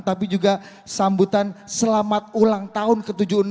tapi juga sambutan selamat ulang tahun ke tujuh puluh enam